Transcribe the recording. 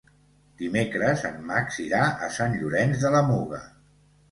Dimecres en Max irà a Sant Llorenç de la Muga.